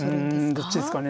うんどっちですかね。